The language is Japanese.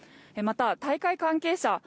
また、大会関係者